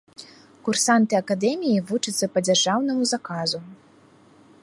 Курсанты акадэміі вучацца па дзяржаўнаму заказу.